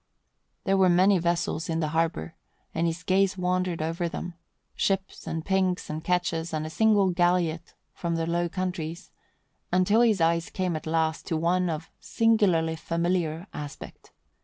There were many vessels in the harbour and his gaze wandered over them, ships and pinks and ketches and a single galliot from the Low Countries, until his eyes came at last to one of singularly familiar aspect.